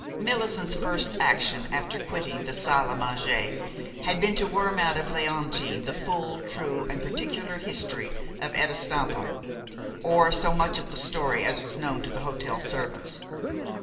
Page 309] Millicent's first action after quitting the salle à manger had been to worm out of Léontine the full, true, and particular history of Etta Stampa, or so much of the story as was known to the hotel servants.